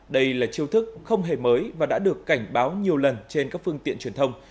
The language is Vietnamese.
đây là chiêu thức không hề mới và đã được cảnh báo nhiều lần trên các phương tiện truyền thông